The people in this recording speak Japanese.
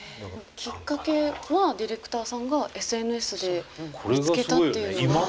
きっかけはディレクターさんがＳＮＳで見つけたっていうのが。